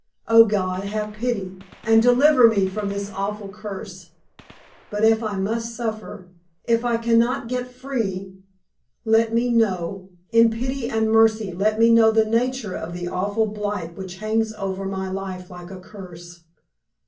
Oh, God, have pity, and deliver me from this awful curse! But if I must suffer if I can not get free let me know in pity and mercy let me know the nature of the awful blight which hangs over my life like a curse!"